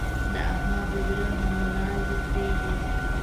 د احمد د زړه مراندې پرې دي.